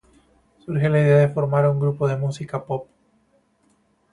Surge la idea de formar un grupo de música pop.